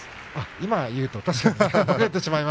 今、言うと確かにね。